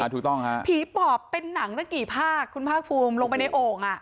ถูกต้องฮะผีปอบเป็นหนังตั้งกี่ภาคคุณภาคภูมิลงไปในโอ่ง